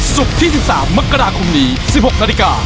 ที่๑๓มกราคมนี้๑๖นาฬิกา